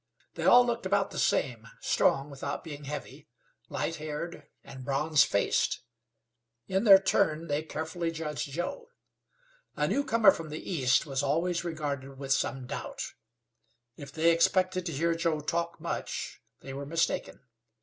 They all looked about the same: strong without being heavy, light haired and bronze faced. In their turn they carefully judged Joe. A newcomer from the East was always regarded with some doubt. If they expected to hear Joe talk much they were mistaken.